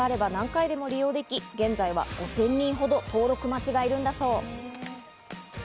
空きがあれば何回でも利用でき、現在は５０００人ほど登録待ちがいるんだそう。